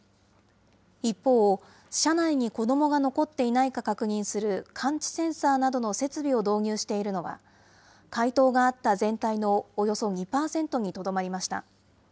一方、車内に子どもが残っていないか確認する感知センサーなどの設備を導入しているのは、回答があった全体のおよそ２％にとどまりました。